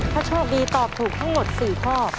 ถ้าโชคดีตอบถูกทั้งหมด๔ข้อ